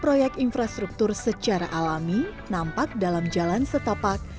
proyek infrastruktur secara alami nampak dalam jalan setapak